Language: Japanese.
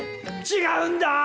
違うんだ！